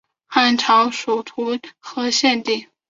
汉朝属徒河县地。